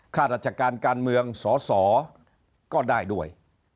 ข้าราชการการเมืองสสก็ได้ด้วย